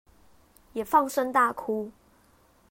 也放聲大哭